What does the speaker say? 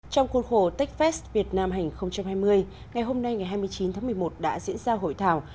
trong khuôn khổ techfest việt nam hai nghìn hai mươi ngày hôm nay ngày hai mươi chín tháng một mươi một đã diễn ra hội thảo